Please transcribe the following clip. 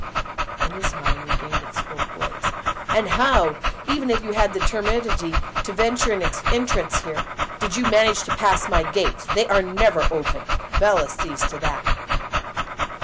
Then as his mind regained its full poise, "And how, even if you had the temerity to venture an entrance here, did you manage to pass my gates? They are never open. Bela sees to that."